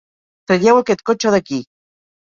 Traieu aquest cotxe d'aquí!